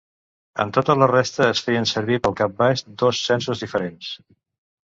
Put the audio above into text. En tota la resta es feien servir pel cap baix dos censos diferents.